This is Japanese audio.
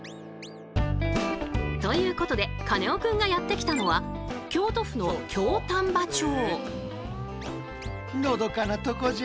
ということでカネオくんがやって来たのは京都府の京丹波町。